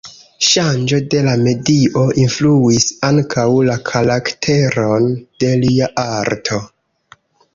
Ŝanĝo de la medio influis ankaŭ la karakteron de lia arto.